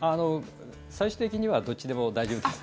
最終的にはどっちでも大丈夫です。